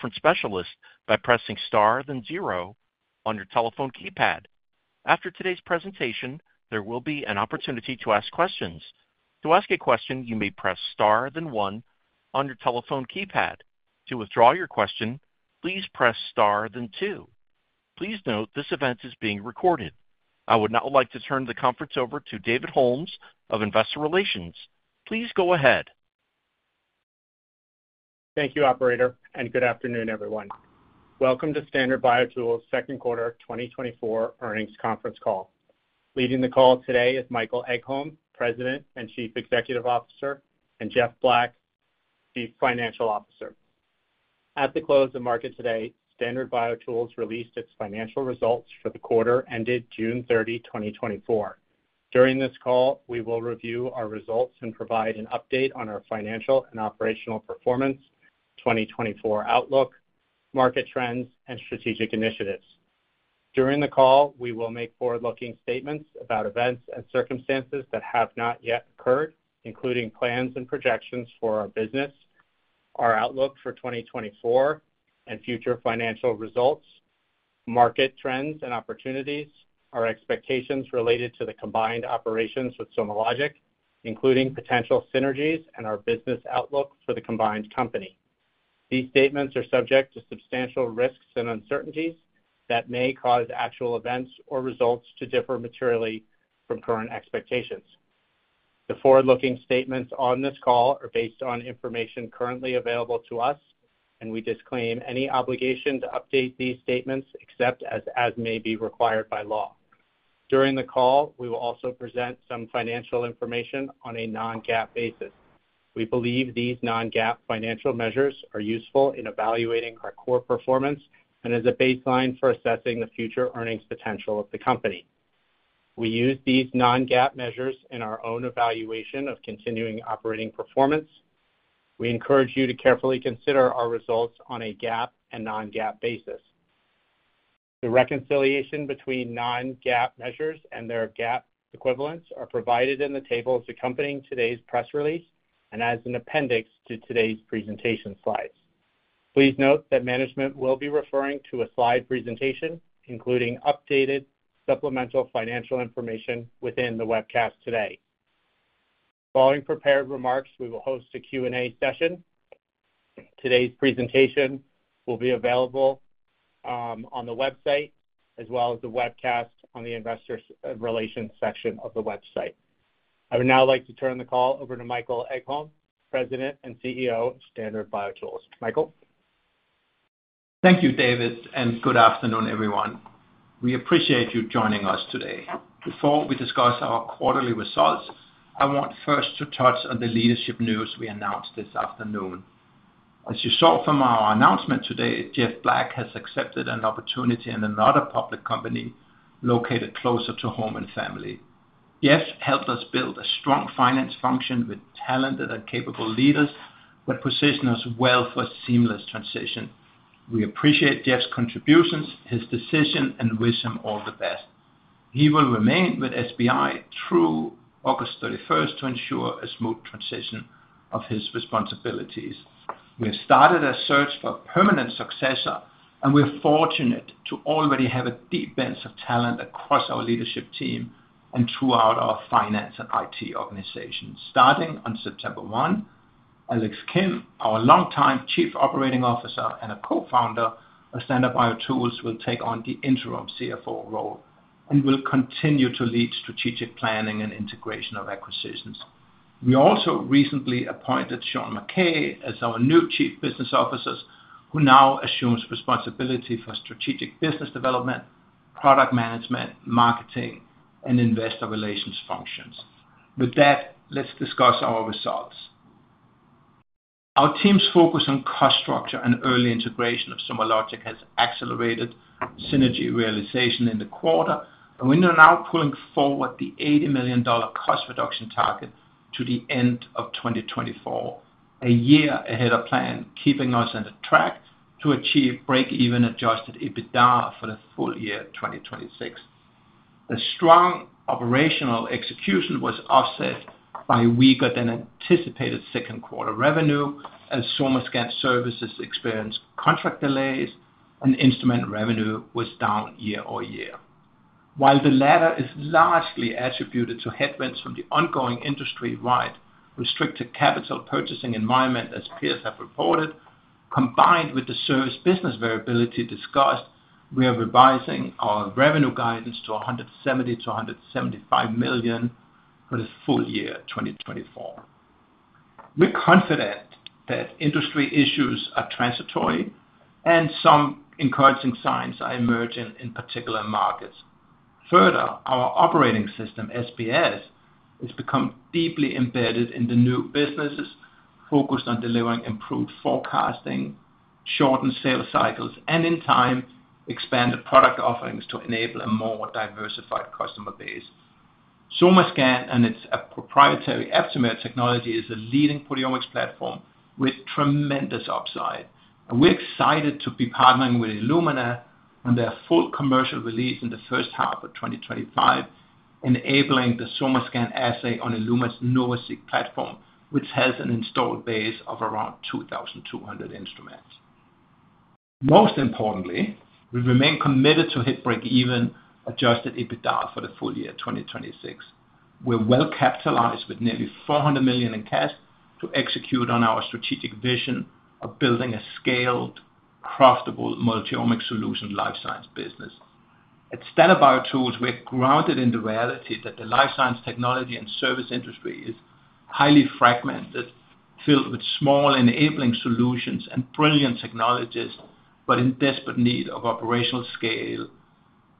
Conference specialist by pressing Star, then zero on your telephone keypad. After today's presentation, there will be an opportunity to ask questions. To ask a question, you may press star, then one on your telephone keypad. To withdraw your question, please press star, then two. Please note, this event is being recorded. I would now like to turn the conference over to David Holmes of Investor Relations. Please go ahead. Thank you, operator, and good afternoon, everyone. Welcome to Standard BioTools' second quarter 2024 earnings conference call. Leading the call today is Michael Egholm, President and Chief Executive Officer, and Jeff Black, Chief Financial Officer. At the close of market today, Standard BioTools released its financial results for the quarter ended June 30, 2024. During this call, we will review our results and provide an update on our financial and operational performance, 2024 outlook, market trends, and strategic initiatives. During the call, we will make forward-looking statements about events and circumstances that have not yet occurred, including plans and projections for our business, our outlook for 2024 and future financial results, market trends and opportunities, our expectations related to the combined operations with SomaLogic, including potential synergies and our business outlook for the combined company. These statements are subject to substantial risks and uncertainties that may cause actual events or results to differ materially from current expectations. The forward-looking statements on this call are based on information currently available to us, and we disclaim any obligation to update these statements except as may be required by law. During the call, we will also present some financial information on a non-GAAP basis. We believe these non-GAAP financial measures are useful in evaluating our core performance and as a baseline for assessing the future earnings potential of the company. We use these non-GAAP measures in our own evaluation of continuing operating performance. We encourage you to carefully consider our results on a GAAP and non-GAAP basis. The reconciliation between non-GAAP measures and their GAAP equivalents are provided in the tables accompanying today's press release and as an appendix to today's presentation slides. Please note that management will be referring to a slide presentation, including updated supplemental financial information within the webcast today. Following prepared remarks, we will host a Q&A session. Today's presentation will be available on the website, as well as the webcast on the investor relations section of the website. I would now like to turn the call over to Michael Egholm, President and CEO of Standard BioTools. Michael? Thank you, David, and good afternoon, everyone. We appreciate you joining us today. Before we discuss our quarterly results, I want first to touch on the leadership news we announced this afternoon. As you saw from our announcement today, Jeff Black has accepted an opportunity in another public company located closer to home and family. Jeff helped us build a strong finance function with talented and capable leaders, which position us well for a seamless transition. We appreciate Jeff's contributions, his decision, and wish him all the best. He will remain with SBI through August 31st to ensure a smooth transition of his responsibilities. We have started a search for a permanent successor, and we're fortunate to already have a deep bench of talent across our leadership team and throughout our finance and IT organization. Starting on September 1, Alex Kim, our longtime Chief Operating Officer and a co-founder of Standard BioTools, will take on the interim CFO role and will continue to lead strategic planning and integration of acquisitions. We also recently appointed Sean Mackay as our new Chief Business Officer, who now assumes responsibility for strategic business development, product management, marketing, and investor relations functions. With that, let's discuss our results. Our team's focus on cost structure and early integration of SomaLogic has accelerated synergy realization in the quarter, and we are now pulling forward the $80 million cost reduction target to the end of 2024, a year ahead of plan, keeping us on the track to achieve break-even Adjusted EBITDA for the full year 2026. The strong operational execution was offset by weaker than anticipated second quarter revenue, as SomaScan services experienced contract delays and instrument revenue was down year over year. While the latter is largely attributed to headwinds from the ongoing industry-wide restricted capital purchasing environment, as peers have reported, combined with the service business variability discussed, we are revising our revenue guidance to $170 million-$175 million for the full year 2024. We're confident that industry issues are transitory and some encouraging signs are emerging in particular markets. Further, our operating system, SBS, has become deeply embedded in the new businesses, focused on delivering improved forecasting, shortened sales cycles, and in time, expanded product offerings to enable a more diversified customer base. SomaScan and its proprietary aptamer technology is a leading proteomics platform with tremendous upside, and we're excited to be partnering with Illumina-... and their full commercial release in the first half of 2025, enabling the SomaScan assay on Illumina's NovaSeq platform, which has an installed base of around 2,200 instruments. Most importantly, we remain committed to hit breakeven Adjusted EBITDA for the full year 2026. We're well-capitalized with nearly $400 million in cash to execute on our strategic vision of building a scaled, profitable multi-omic solution life science business. At Standard BioTools, we're grounded in the reality that the life science, technology, and service industry is highly fragmented, filled with small enabling solutions and brilliant technologists, but in desperate need of operational scale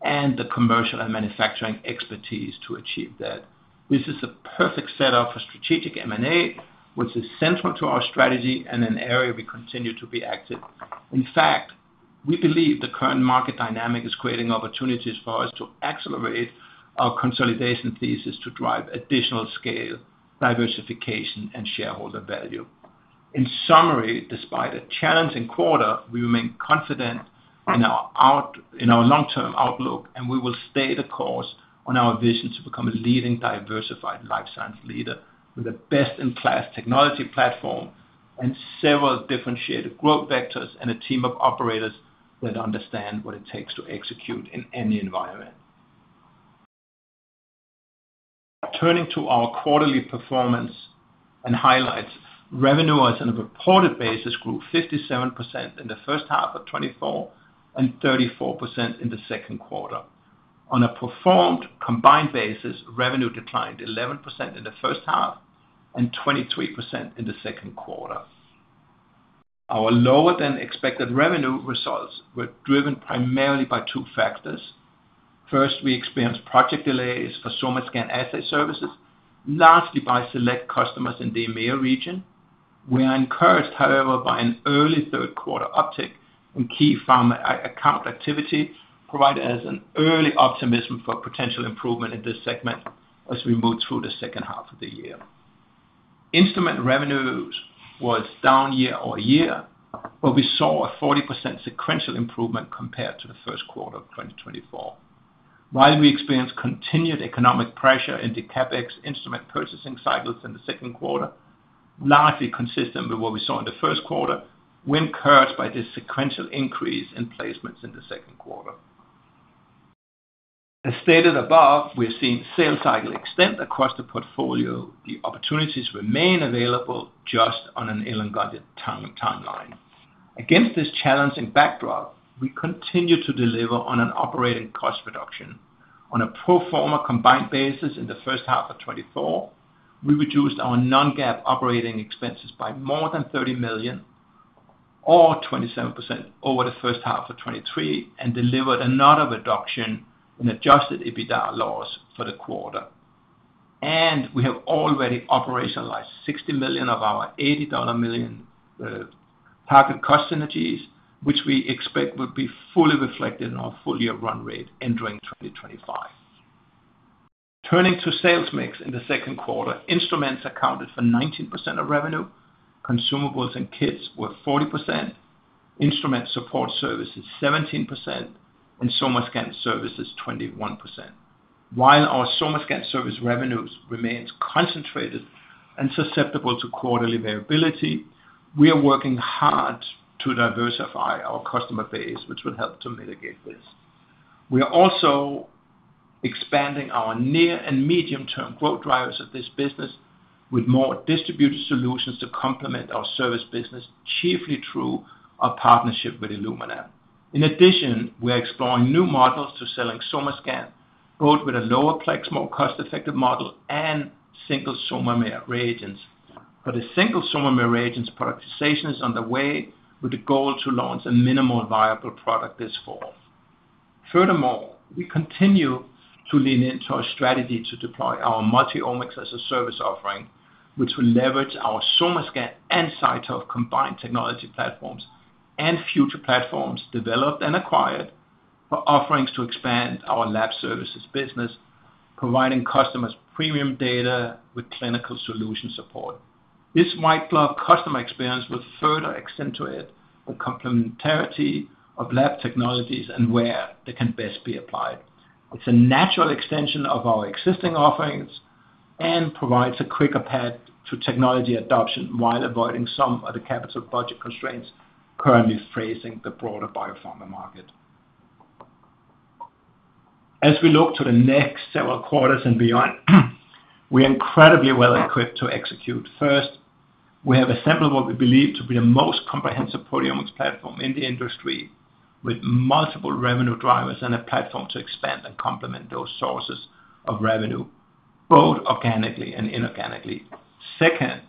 and the commercial and manufacturing expertise to achieve that. This is a perfect setup for strategic M&A, which is central to our strategy and an area we continue to be active. In fact, we believe the current market dynamic is creating opportunities for us to accelerate our consolidation thesis to drive additional scale, diversification, and shareholder value. In summary, despite a challenging quarter, we remain confident in our long-term outlook, and we will stay the course on our vision to become a leading, diversified life science leader with a best-in-class technology platform and several differentiated growth vectors, and a team of operators that understand what it takes to execute in any environment. Turning to our quarterly performance and highlights, revenue, as on a reported basis, grew 57% in the first half of 2024, and 34% in the second quarter. On a pro forma combined basis, revenue declined 11% in the first half and 23% in the second quarter. Our lower than expected revenue results were driven primarily by two factors: First, we experienced project delays for SomaScan assay services, largely by select customers in the EMEA region. We are encouraged, however, by an early third quarter uptick in key pharma account activity, provided as an early optimism for potential improvement in this segment as we move through the second half of the year. Instrument revenues was down year-over-year, but we saw a 40% sequential improvement compared to the first quarter of 2024. While we experienced continued economic pressure in the CapEx instrument purchasing cycles in the second quarter, largely consistent with what we saw in the first quarter, we're encouraged by this sequential increase in placements in the second quarter. As stated above, we have seen sales cycle extend across the portfolio. The opportunities remain available just on an elongated timeline. Against this challenging backdrop, we continue to deliver on an operating cost reduction. On a pro forma combined basis, in the first half of 2024, we reduced our non-GAAP operating expenses by more than $30 million or 27% over the first half of 2023, and delivered another reduction in Adjusted EBITDA loss for the quarter. We have already operationalized $60 million of our $80 million target cost synergies, which we expect will be fully reflected in our full-year run rate entering 2025. Turning to sales mix in the second quarter, instruments accounted for 19% of revenue, consumables and kits were 40%, instrument support services, 17%, and SomaScan services, 21%. While our SomaScan service revenues remains concentrated and susceptible to quarterly variability, we are working hard to diversify our customer base, which will help to mitigate this. We are also expanding our near and medium-term growth drivers of this business with more distributed solutions to complement our service business, chiefly through our partnership with Illumina. In addition, we are exploring new models to selling SomaScan, both with a lower plex, more cost-effective model, and single SOMAmer reagents. A single SOMAmer reagents productization is on the way, with the goal to launch a minimal viable product this fall. Furthermore, we continue to lean into our strategy to deploy our multiomics-as-a-service offering, which will leverage our SomaScan and CyTOF combined technology platforms, and future platforms developed and acquired for offerings to expand our lab services business, providing customers premium data with clinical solution support. This white glove customer experience will further accentuate the complementarity of lab technologies and where they can best be applied. It's a natural extension of our existing offerings and provides a quicker path to technology adoption while avoiding some of the capital budget constraints currently facing the broader biopharma market. As we look to the next several quarters and beyond, we are incredibly well-equipped to execute. First, we have assembled what we believe to be the most comprehensive proteomics platform in the industry, with multiple revenue drivers and a platform to expand and complement those sources of revenue, both organically and inorganically. Second,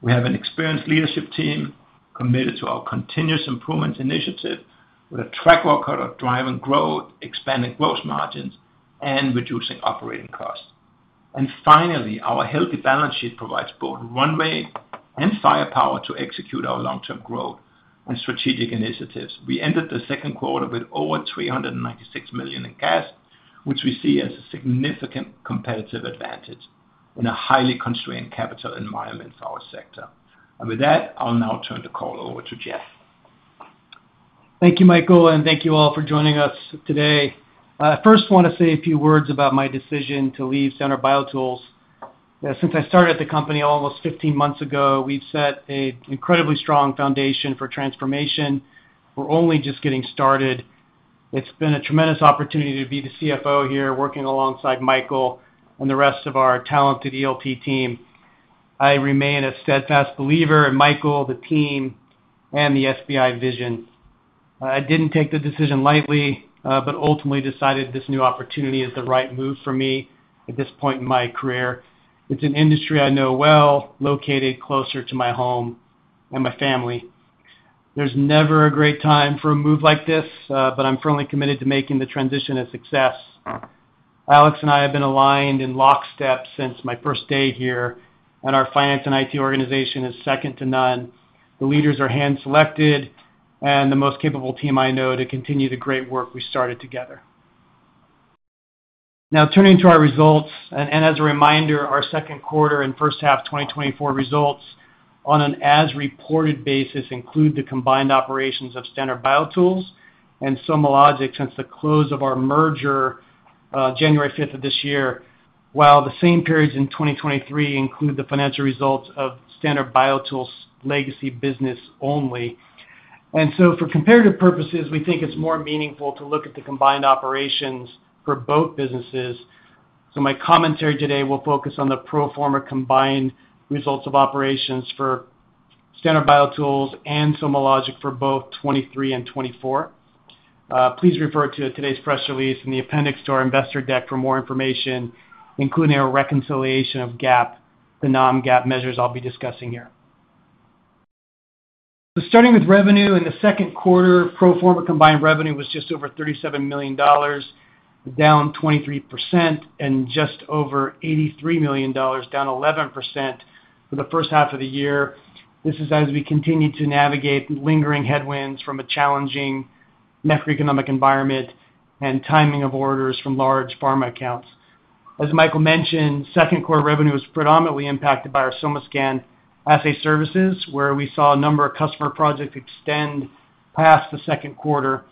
we have an experienced leadership team committed to our continuous improvement initiative with a track record of driving growth, expanding gross margins, and reducing operating costs. And finally, our healthy balance sheet provides both runway and firepower to execute our long-term growth and strategic initiatives. We ended the second quarter with over $396 million in cash, which we see as a significant competitive advantage in a highly constrained capital environment for our sector. With that, I'll now turn the call over to Jeff. Thank you, Michael, and thank you all for joining us today. First, want to say a few words about my decision to leave Standard BioTools. Since I started at the company almost 15 months ago, we've set an incredibly strong foundation for transformation. We're only just getting started. It's been a tremendous opportunity to be the CFO here, working alongside Michael and the rest of our talented ELT team. I remain a steadfast believer in Michael, the team, and the SBI vision. I didn't take the decision lightly, but ultimately decided this new opportunity is the right move for me at this point in my career. It's an industry I know well, located closer to my home and my family. There's never a great time for a move like this, but I'm firmly committed to making the transition a success. Alex and I have been aligned in lockstep since my first day here, and our finance and IT organization is second to none. The leaders are hand-selected and the most capable team I know to continue the great work we started together. Now, turning to our results, and as a reminder, our second quarter and first half 2024 results on an as-reported basis include the combined operations of Standard BioTools and SomaLogic since the close of our merger, January fifth of this year, while the same periods in 2023 include the financial results of Standard BioTools' legacy business only. And so for comparative purposes, we think it's more meaningful to look at the combined operations for both businesses. So my commentary today will focus on the pro forma combined results of operations for Standard BioTools and SomaLogic for both 2023 and 2024. Please refer to today's press release in the appendix to our investor deck for more information, including a reconciliation of GAAP to the non-GAAP measures I'll be discussing here. Starting with revenue, in the second quarter, pro forma combined revenue was just over $37 million, down 23%, and just over $83 million, down 11% for the first half of the year. This is as we continue to navigate lingering headwinds from a challenging macroeconomic environment and timing of orders from large pharma accounts. As Michael mentioned, second quarter revenue was predominantly impacted by our SomaScan assay services, where we saw a number of customer projects extend past the second quarter.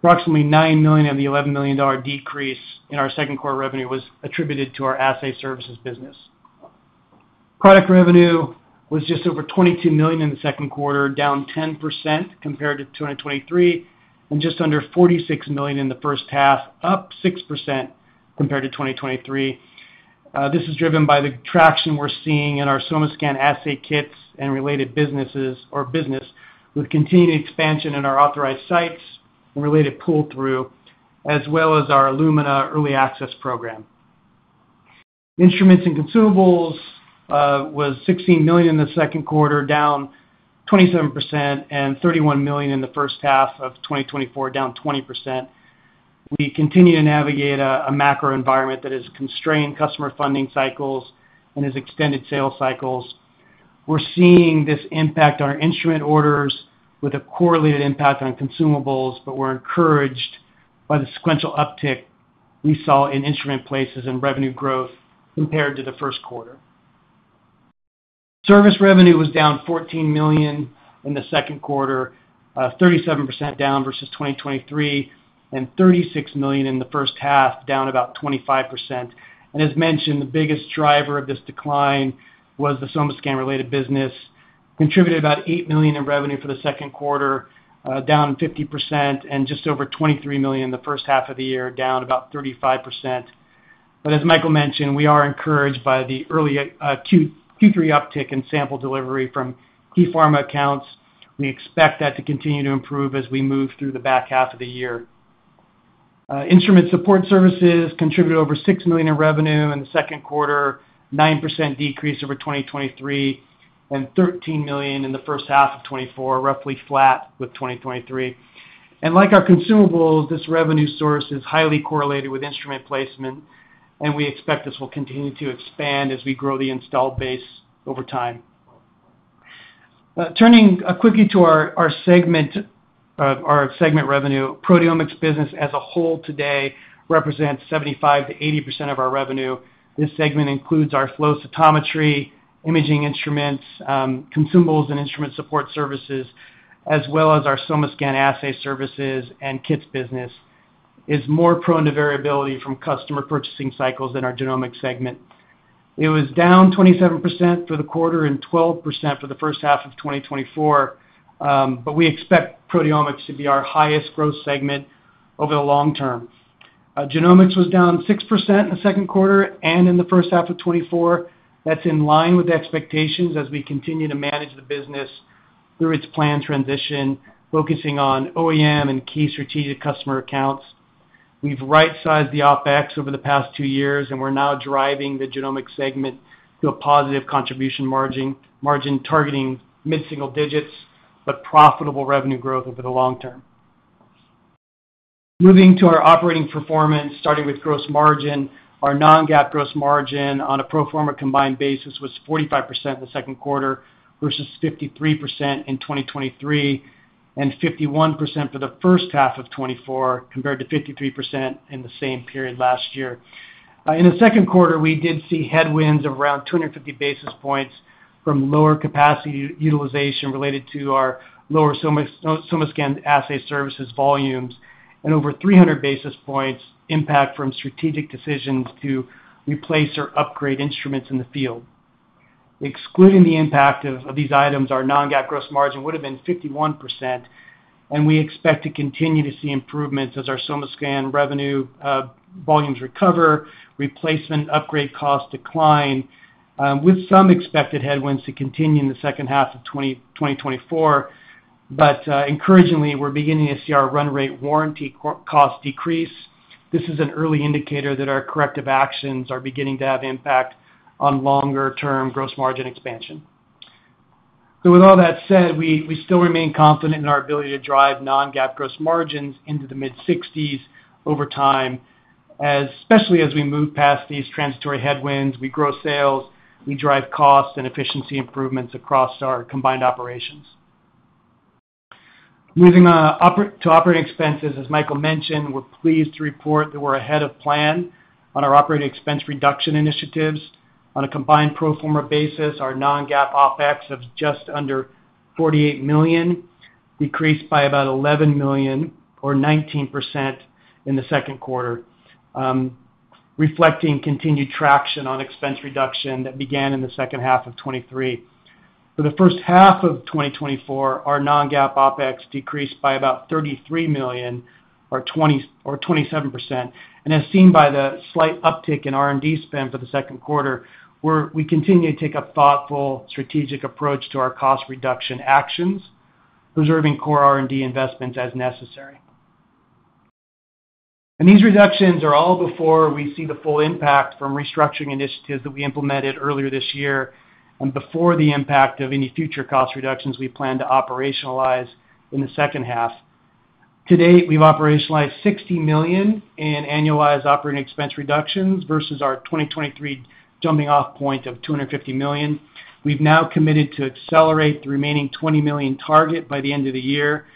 Approximately $9 million of the $11 million decrease in our second quarter revenue was attributed to our assay services business. Product revenue was just over $22 million in the second quarter, down 10% compared to '23, and just under $46 million in the first half, up 6% compared to 2023. This is driven by the traction we're seeing in our SomaScan assay kits and related businesses or business, with continued expansion in our authorized sites and related pull-through, as well as our Illumina Early Access program. Instruments and consumables was $16 million in the second quarter, down 27%, and $31 million in the first half of 2024, down 20%. We continue to navigate a macro environment that has constrained customer funding cycles and has extended sales cycles. We're seeing this impact our instrument orders with a correlated impact on consumables, but we're encouraged by the sequential uptick we saw in instrument placements and revenue growth compared to the first quarter. Service revenue was down $14 million in the second quarter, 37% down versus 2023, and $36 million in the first half, down about 25%. As mentioned, the biggest driver of this decline was the SomaScan-related business, contributed about $8 million in revenue for the second quarter, down 50%, and just over $23 million in the first half of the year, down about 35%. But as Michael mentioned, we are encouraged by the early Q3 uptick in sample delivery from key pharma accounts. We expect that to continue to improve as we move through the back half of the year. Instrument support services contributed over $6 million in revenue in the second quarter, 9% decrease over 2023, and $13 million in the first half of 2024, roughly flat with 2023. Like our consumables, this revenue source is highly correlated with instrument placement, and we expect this will continue to expand as we grow the installed base over time. Turning quickly to our segment revenue, proteomics business as a whole today represents 75%-80% of our revenue. This segment includes our flow cytometry, imaging instruments, consumables and instrument support services, as well as our SomaScan assay services and kits business, is more prone to variability from customer purchasing cycles than our genomics segment. It was down 27% for the quarter and 12% for the first half of 2024, but we expect proteomics to be our highest growth segment over the long term. Genomics was down 6% in the second quarter and in the first half of 2024. That's in line with expectations as we continue to manage the business through its planned transition, focusing on OEM and key strategic customer accounts. We've rightsized the OpEx over the past two years, and we're now driving the genomics segment to a positive contribution margin, margin targeting mid-single digits, but profitable revenue growth over the long term. Moving to our operating performance, starting with gross margin. Our non-GAAP gross margin on a pro forma combined basis was 45% in the second quarter, versus 53% in 2023, and 51% for the first half of 2024, compared to 53% in the same period last year. In the second quarter, we did see headwinds of around 250 basis points from lower capacity utilization related to our lower SomaScan assay services volumes, and over 300 basis points impact from strategic decisions to replace or upgrade instruments in the field. Excluding the impact of these items, our non-GAAP gross margin would have been 51%, and we expect to continue to see improvements as our SomaScan revenue volumes recover, replacement, upgrade costs decline, with some expected headwinds to continue in the second half of 2024. But, encouragingly, we're beginning to see our run rate warranty cost decrease. This is an early indicator that our corrective actions are beginning to have impact on longer-term gross margin expansion. So with all that said, we still remain confident in our ability to drive non-GAAP gross margins into the mid-60s over time, as especially as we move past these transitory headwinds, we grow sales, we drive costs and efficiency improvements across our combined operations. Moving on to operating expenses, as Michael mentioned, we're pleased to report that we're ahead of plan on our operating expense reduction initiatives. On a combined pro forma basis, our non-GAAP OpEx of just under $48 million decreased by about $11 million or 19% in the second quarter, reflecting continued traction on expense reduction that began in the second half of 2023. For the first half of 2024, our non-GAAP OpEx decreased by about $33 million or 27%. As seen by the slight uptick in R&D spend for the second quarter, we continue to take a thoughtful, strategic approach to our cost reduction actions, preserving core R&D investments as necessary. These reductions are all before we see the full impact from restructuring initiatives that we implemented earlier this year and before the impact of any future cost reductions we plan to operationalize in the second half. To date, we've operationalized $60 million in annualized operating expense reductions versus our 2023 jumping off point of $250 million. We've now committed to accelerate the remaining $20 million target by the end of the year.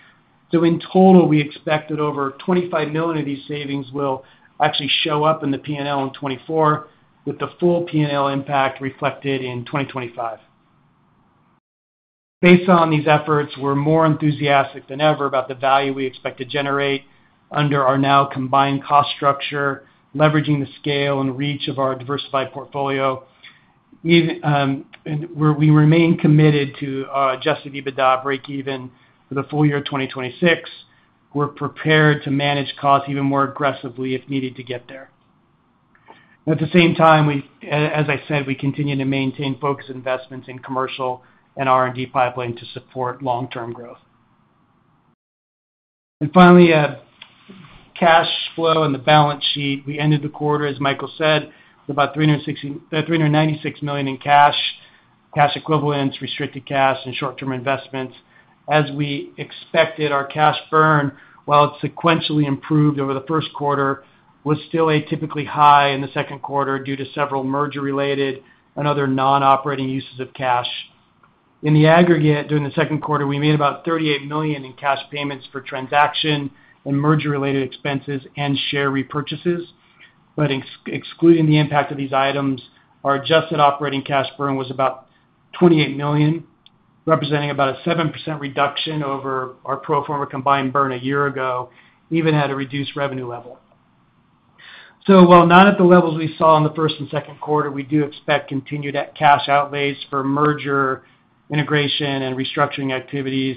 In total, we expect that over $25 million of these savings will actually show up in the P&L in 2024, with the full P&L impact reflected in 2025. Based on these efforts, we're more enthusiastic than ever about the value we expect to generate under our now combined cost structure, leveraging the scale and reach of our diversified portfolio. We remain committed to Adjusted EBITDA breakeven for the full year of 2026. We're prepared to manage costs even more aggressively if needed to get there. At the same time, as I said, we continue to maintain focused investments in commercial and R&D pipeline to support long-term growth. And finally, cash flow and the balance sheet. We ended the quarter, as Michael said, with about $396 million in cash, cash equivalents, restricted cash, and short-term investments. As we expected, our cash burn, while it sequentially improved over the first quarter, was still atypically high in the second quarter due to several merger-related and other non-operating uses of cash. In the aggregate, during the second quarter, we made about $38 million in cash payments for transaction and merger-related expenses and share repurchases. But excluding the impact of these items, our adjusted operating cash burn was about $28 million, representing about a 7% reduction over our pro forma combined burn a year ago, even at a reduced revenue level. So while not at the levels we saw in the first and second quarter, we do expect continued cash outlays for merger, integration, and restructuring activities,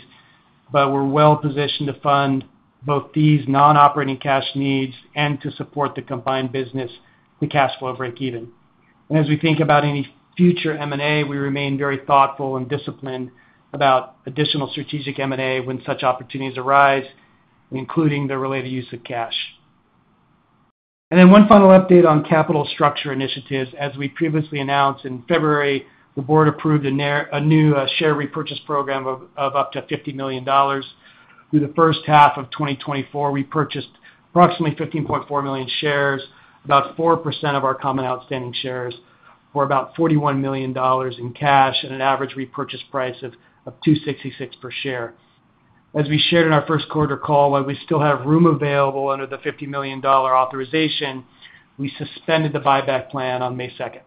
but we're well positioned to fund both these non-operating cash needs and to support the combined business to cash flow breakeven. As we think about any future M&A, we remain very thoughtful and disciplined about additional strategic M&A when such opportunities arise, including the related use of cash. Then one final update on capital structure initiatives. As we previously announced in February, the board approved a new share repurchase program of up to $50 million. Through the first half of 2024, we purchased approximately 15.4 million shares, about 4% of our common outstanding shares, for about $41 million in cash at an average repurchase price of $2.66 per share. As we shared in our first quarter call, while we still have room available under the $50 million authorization, we suspended the buyback plan on May 2nd.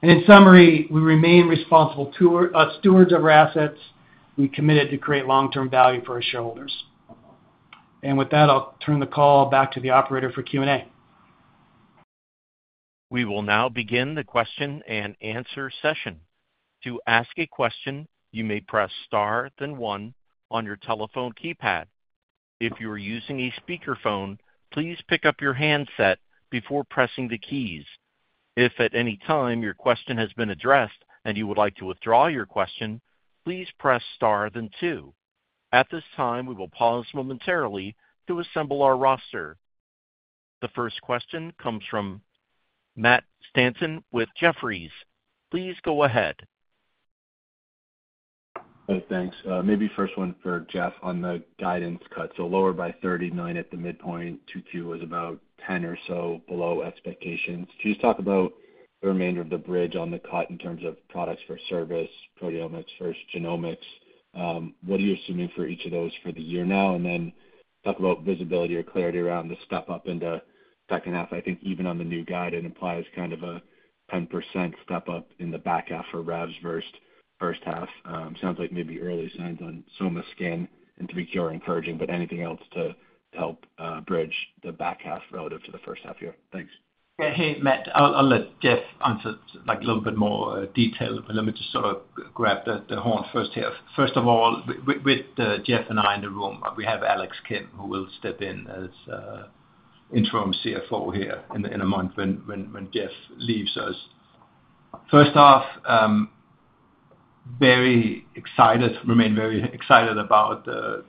In summary, we remain responsible to our stewards of our assets. We committed to create long-term value for our shareholders. With that, I'll turn the call back to the operator for Q&A. We will now begin the question-and-answer session. To ask a question, you may press star, then one on your telephone keypad. If you are using a speakerphone, please pick up your handset before pressing the keys. If at any time your question has been addressed and you would like to withdraw your question, please press star, then two. At this time, we will pause momentarily to assemble our roster. The first question comes from Matt Stanton with Jefferies. Please go ahead. Hey, thanks. Maybe first one for Jeff on the guidance cut, so lower by 39 at the midpoint, 2Q was about 10 or so below expectations. Can you just talk about the remainder of the bridge on the cut in terms of products for service, proteomics versus genomics? What are you assuming for each of those for the year now? And then talk about visibility or clarity around the step up into second half. I think even on the new guide, it implies kind of a 10% step up in the back half for revs first, first half. Sounds like maybe early signs on SomaScan and 3Q are encouraging, but anything else to help bridge the back half relative to the first half year? Thanks. Yeah. Hey, Matt. I'll let Jeff answer, like, a little bit more detail, but let me just sort of grab the horn first here. First of all, with Jeff and I in the room, we have Alex Kim, who will step in as interim CFO here in a month when Jeff leaves us. First off, very excited, remain very excited about the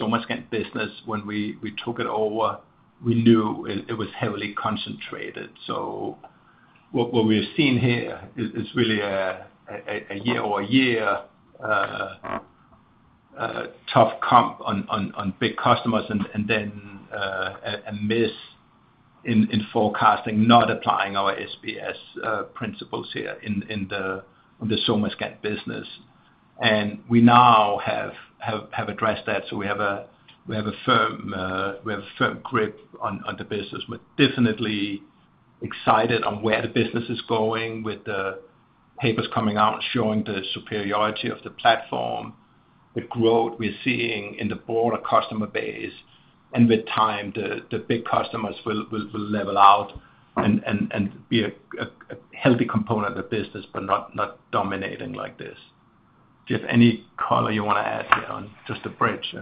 SomaScan business. When we took it over, we knew it was heavily concentrated. So what we've seen here is really a year-over-year tough comp on big customers and then a miss in forecasting, not applying our SBS principles here in on the SomaScan business. And we now have addressed that, so we have a firm grip on the business. We're definitely excited on where the business is going with the papers coming out, showing the superiority of the platform, the growth we're seeing in the broader customer base, and with time, the big customers will level out and be a healthy component of the business, but not dominating like this. Jeff, any color you want to add here on just to bridge?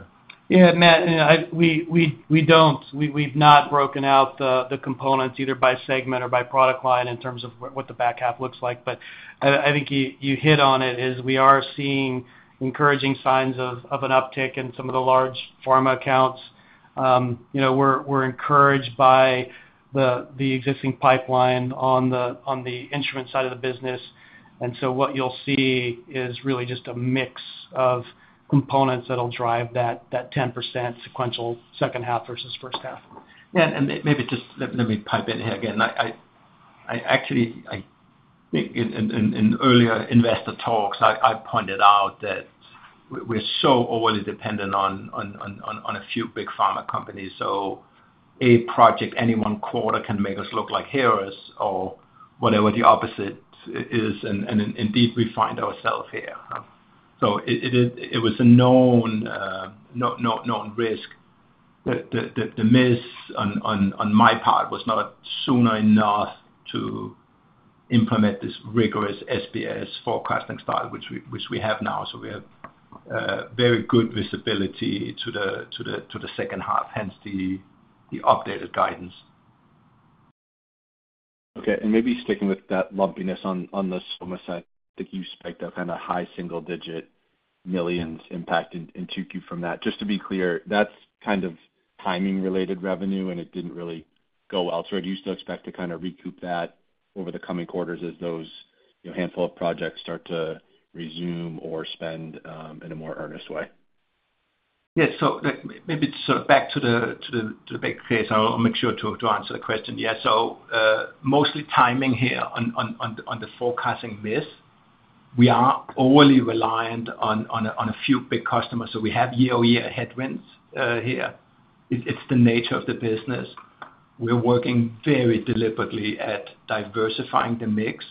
Yeah, Matt, you know, we don't... We've not broken out the components, either by segment or by product line, in terms of what the back half looks like. But I think you hit on it, is we are seeing encouraging signs of an uptick in some of the large pharma accounts. You know, we're encouraged by the existing pipeline on the instrument side of the business. And so what you'll see is really just a mix of components that'll drive that 10% sequential second half versus first half. Yeah, and maybe just let me pipe in here again. I actually, in earlier investor talks, I pointed out that we're so overly dependent on a few big pharma companies, so a project, any one quarter can make us look like heroes or whatever the opposite is, and indeed, we find ourselves here, huh? So it is, it was a known risk. The miss on my part was not sooner enough to implement this rigorous SBS forecasting style, which we have now. So we have very good visibility to the second half, hence the updated guidance. Okay. And maybe sticking with that lumpiness on, on the SomaScan, I think you spiked up kind of $ high single-digit millions impact in 2Q from that. Just to be clear, that's kind of timing-related revenue, and it didn't really go well. So do you still expect to kind of recoup that over the coming quarters as those, you know, handful of projects start to resume or spend in a more earnest way? Yeah. So maybe sort of back to the big case, I'll make sure to answer the question. Yeah, so mostly timing here on the forecasting miss. We are overly reliant on a few big customers, so we have year-over-year headwinds here. It's the nature of the business. We're working very deliberately at diversifying the mix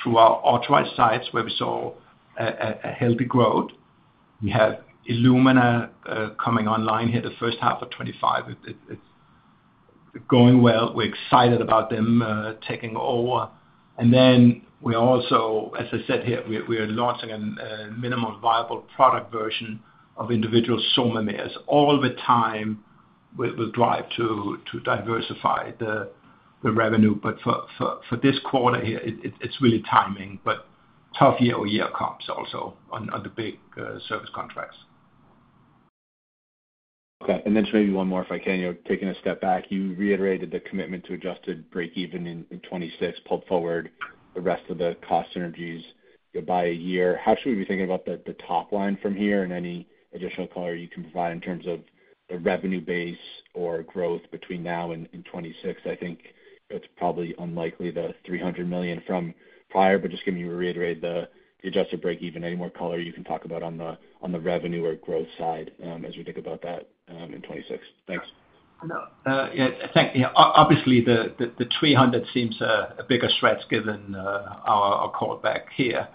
through our authorized sites, where we saw a healthy growth. We have Illumina coming online here the first half of 2025. It's going well. We're excited about them taking over. And then we also, as I said here, we are launching a minimum viable product version of individual SomaScan. All the time, we drive to diversify the revenue, but for this quarter here, it's really timing, but tough year-over-year comps also on the big service contracts. Okay, and then just maybe one more, if I can. You know, taking a step back, you reiterated the commitment to adjusted break even in, in 2026, pulled forward the rest of the cost synergies by a year. How should we be thinking about the, the top line from here and any additional color you can provide in terms of the revenue base or growth between now and, and 2026? I think it's probably unlikely the $300 million from prior, but just can you reiterate the, the adjusted break even, any more color you can talk about on the, on the revenue or growth side, as we think about that, in 2026? Thanks. No, yeah, thank you. Obviously, the 300 seems a bigger stretch given our call back here.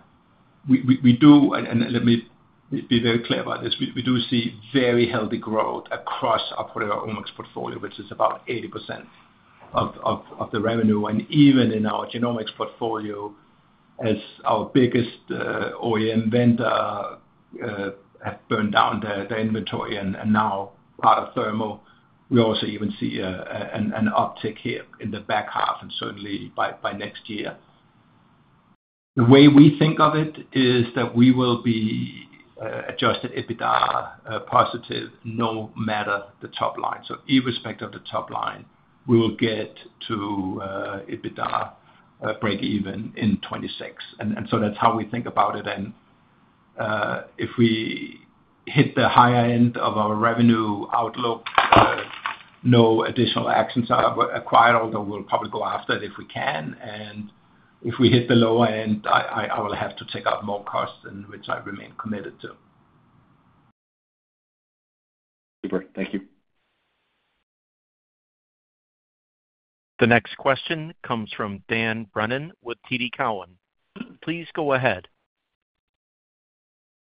We do. And let me be very clear about this. We do see very healthy growth across our proteomics portfolio, which is about 80% of the revenue, and even in our genomics portfolio, as our biggest OEM vendor have burned down their inventory and now part of Thermo, we also even see an uptick here in the back half and certainly by next year. The way we think of it is that we will be Adjusted EBITDA positive, no matter the top line. So irrespective of the top line, we will get to EBITDA break even in 2026. So that's how we think about it, and if we hit the higher end of our revenue outlook, no additional actions are required, although we'll probably go after it if we can. And if we hit the low end, I will have to take out more costs to which I remain committed. Super. Thank you. The next question comes from Dan Brennan with TD Cowen. Please go ahead.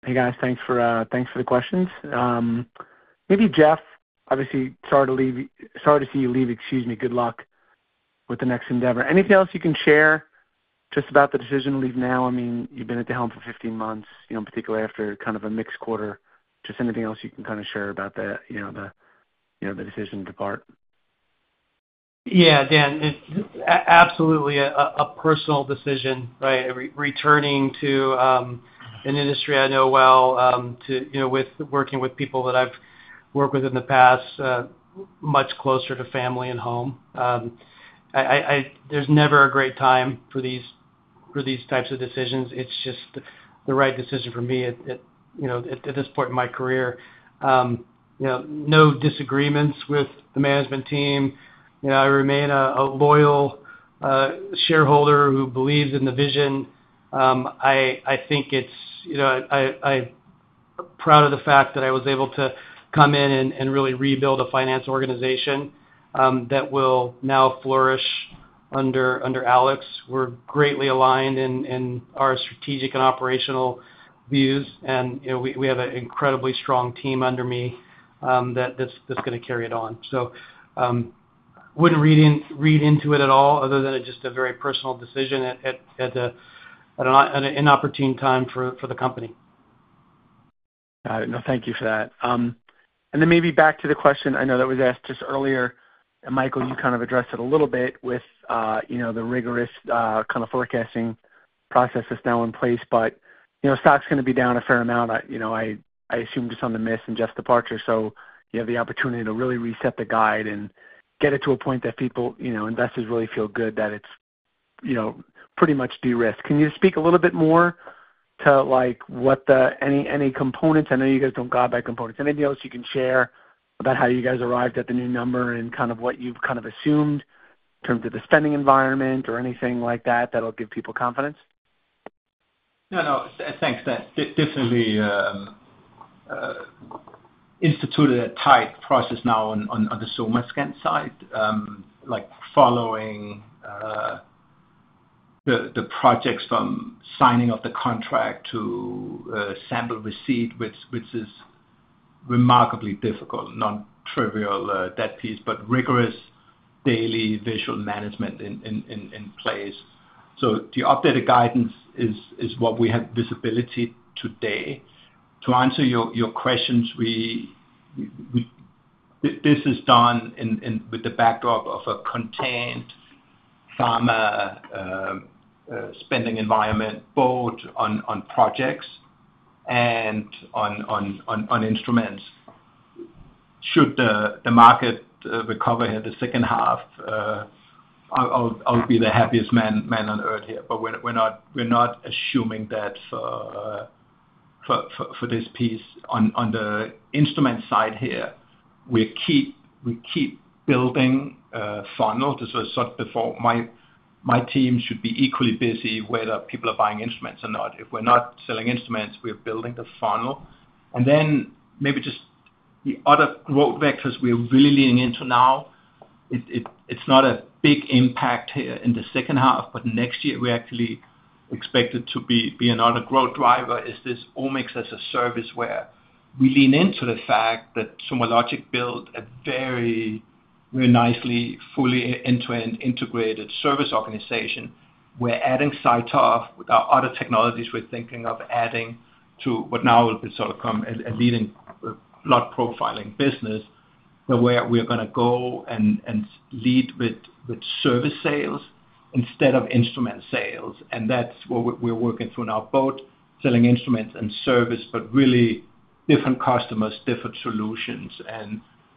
Hey, guys. Thanks for the questions. Maybe Jeff, obviously, sorry to see you leave, excuse me. Good luck with the next endeavor. Anything else you can share just about the decision to leave now? I mean, you've been at the helm for 15 months, you know, in particular after kind of a mixed quarter. Just anything else you can kind of share about the, you know, the, you know, the decision to depart? Yeah, Dan, it's absolutely a personal decision, right? Returning to an industry I know well, to you know, with working with people that I've worked with in the past, much closer to family and home. There's never a great time for these types of decisions. It's just the right decision for me at you know, at this point in my career. You know, no disagreements with the management team. You know, I remain a loyal shareholder who believes in the vision. I think it's you know, proud of the fact that I was able to come in and really rebuild a finance organization, that will now flourish under Alex. We're greatly aligned in our strategic and operational views, and you know, we have an incredibly strong team under me that's gonna carry it on. So, wouldn't read into it at all other than it's just a very personal decision at an inopportune time for the company. Got it. No, thank you for that. And then maybe back to the question I know that was asked just earlier, and Michael, you kind of addressed it a little bit with, you know, the rigorous, kind of forecasting processes now in place. But, you know, stock's gonna be down a fair amount. I, you know, assume just on the miss and Jeff's departure, so you have the opportunity to really reset the guide and get it to a point that people, you know, investors really feel good that it's, you know, pretty much de-risked. Can you speak a little bit more to, like, what the... any components? I know you guys don't guide by components. Anything else you can share about how you guys arrived at the new number and kind of what you've kind of assumed in terms of the spending environment or anything like that, that'll give people confidence? No, no, thanks, Dan. Definitely instituted a tight process now on the SomaScan side. Like, following the projects from signing of the contract to sample receipt, which is remarkably difficult, non-trivial, that piece, but rigorous daily visual management in place. So the updated guidance is what we have visibility today. To answer your questions, we—this is done with the backdrop of a contained pharma spending environment, both on projects and on instruments. Should the market recover in the second half, I'll be the happiest man on earth here, but we're not assuming that for this piece. On the instrument side here, we keep building a funnel. This was said before, my team should be equally busy, whether people are buying instruments or not. If we're not selling instruments, we're building the funnel. And then maybe just the other growth vectors we are really leaning into now, it's not a big impact here in the second half, but next year we actually expect it to be another growth driver, is this omics as a service, where we lean into the fact that SomaLogic built a very, very nicely, fully end-to-end integrated service organization. We're adding CyTOF with our other technologies we're thinking of adding to what now will be sort of come a leading blood profiling business, but where we're gonna go and lead with service sales instead of instrument sales, and that's what we're working through now, both selling instruments and service, but really different customers, different solutions.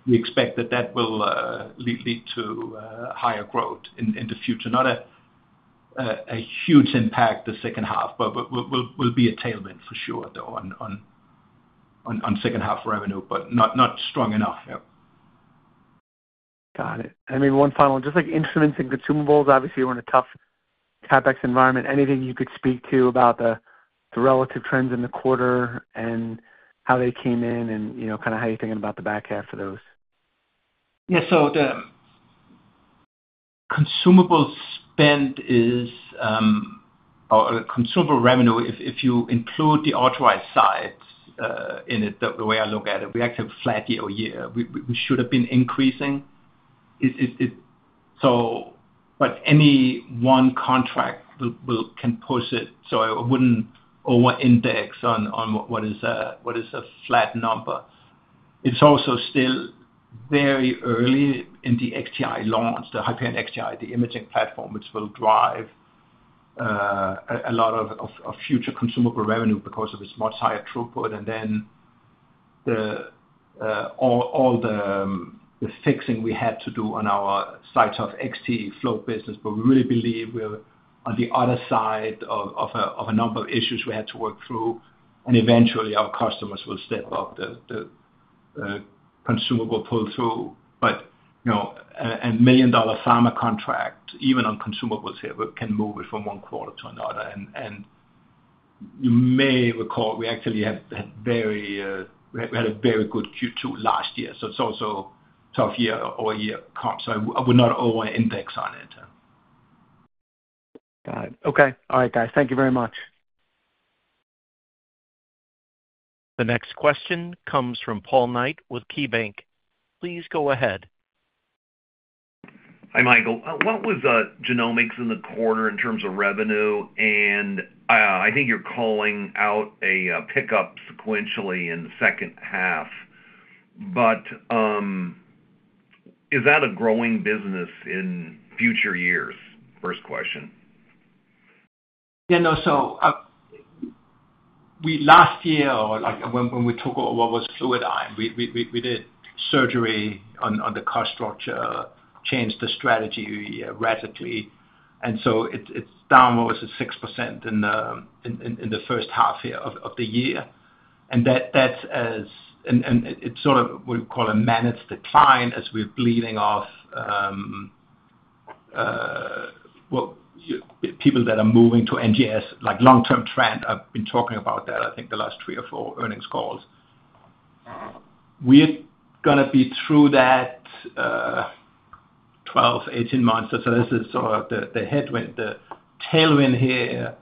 We expect that that will lead to higher growth in the future. Not a huge impact the second half, but will be a tailwind for sure, though, on second half revenue, but not strong enough. Yeah. Got it. And maybe one final, just like instruments and consumables, obviously, we're in a tough CapEx environment. Anything you could speak to about the relative trends in the quarter and how they came in and, you know, kind of how you're thinking about the back half of those? Yeah. So the consumable spend is or consumable revenue, if you include the authorized side in it, the way I look at it, we actually have flat year-over-year. We should have been increasing. It-- so but any one contract can push it, so I wouldn't over-index on what is a flat number. It's also still very early in the XTi launch, the Hyperion XTi, the imaging platform, which will drive a lot of future consumable revenue because of its much higher throughput. And then all the fixing we had to do on our CyTOF XT flow business, but we really believe we're-... On the other side of a number of issues we had to work through, and eventually our customers will step up the consumable pull-through. But, you know, a million-dollar pharma contract, even on consumables here, but can move it from one quarter to another. And you may recall, we actually had a very good Q2 last year, so it's also tough year-over-year comp, so I would not over index on it. Got it. Okay. All right, guys. Thank you very much. The next question comes from Paul Knight with KeyBank. Please go ahead. Hi, Michael. What was genomics in the quarter in terms of revenue? And I think you're calling out a pickup sequentially in the second half. But is that a growing business in future years? First question. Yeah, no. So, last year, or like when we took what was Fluidigm, we did surgery on the cost structure, changed the strategy radically, and so it's down almost 6% in the first half year of the year. And that's as and it's sort of what we call a managed decline as we're bleeding off, well, people that are moving to NGS, like long-term trend. I've been talking about that, I think, the last three or four earnings calls. We're gonna be through that, 12-18 months, so this is sort of the headwind. The tailwind here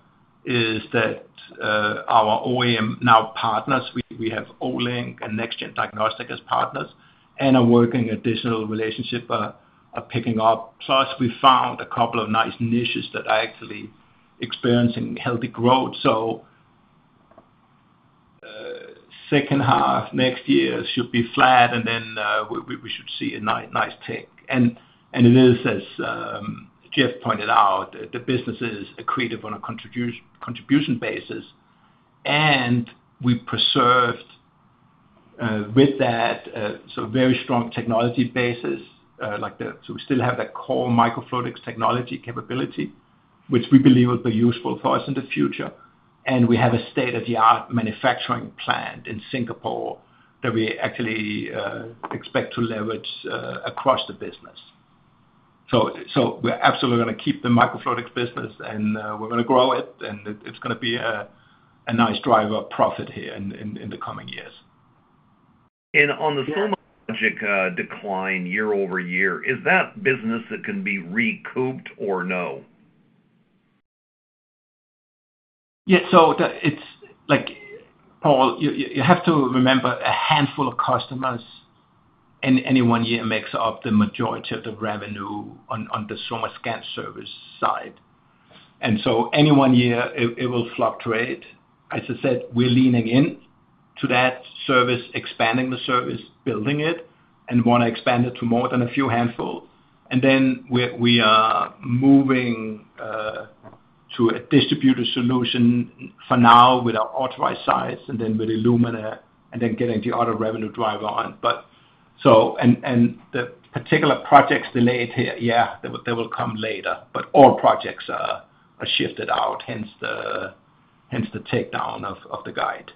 is that, our OEM now partners, we have Olink and NextGen Diagnostics as partners, and are working additional relationship are picking up. Plus, we found a couple of nice niches that are actually experiencing healthy growth. So, second half, next year should be flat, and then, we should see a nice tick. And it is, as Jeff pointed out, the business is accretive on a contribution basis. And we preserved, with that, so very strong technology basis, like the... So we still have that core microfluidics technology capability, which we believe will be useful for us in the future. And we have a state-of-the-art manufacturing plant in Singapore that we actually expect to leverage across the business. So, we're absolutely going to keep the microfluidics business, and we're gonna grow it, and it's gonna be a nice driver of profit here in the coming years. On the SomaLogic decline year-over-year, is that business that can be recouped or no? Yeah. So it's like, Paul, you have to remember, a handful of customers in any one year makes up the majority of the revenue on the SomaScan service side. And so any one year, it will fluctuate. As I said, we're leaning in to that service, expanding the service, building it, and want to expand it to more than a few handful. And then we're moving to a distributor solution for now with our authorized sites and then with Illumina, and then getting the other revenue driver on. But so... And the particular projects delayed here, yeah, they will come later, but all projects are shifted out, hence the takedown of the guide.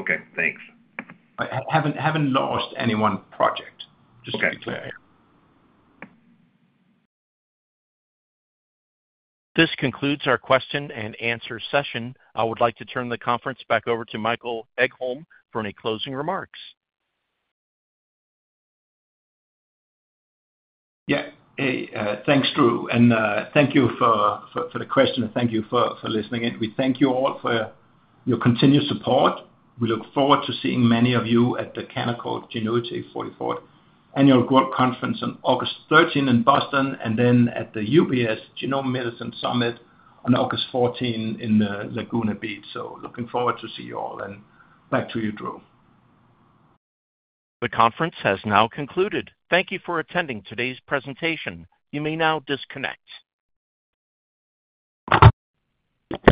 Okay, thanks. I haven't lost any one project, just to be clear. This concludes our question and answer session. I would like to turn the conference back over to Michael Egholm for any closing remarks. Yeah. Hey, thanks, Drew, and thank you for, for, for the question, and thank you for listening in. We thank you all for your continued support. We look forward to seeing many of you at the Canaccord Genuity 44th Annual Growth Conference on August 13 in Boston, and then at the UBS Genomic Medicine Summit on August 14 in Laguna Beach. So looking forward to see you all, and back to you, Drew. The conference has now concluded. Thank you for attending today's presentation. You may now disconnect.